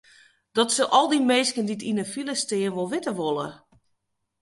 Dat sille al dy minsken dy't yn de file stean wol witte wolle.